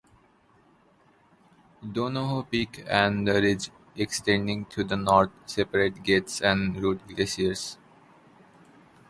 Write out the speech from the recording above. Donoho Peak and the ridge extending to the north separate Gates and Root Glaciers.